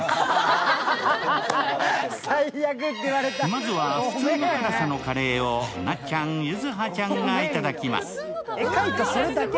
まずは普通の辛さのカレーをなっちゃん、柚葉ちゃんがいただきます。